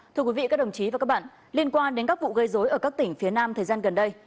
thưa quý vị các đồng chí và các bạn liên quan đến các vụ gây dối ở các tỉnh phía nam thời gian gần đây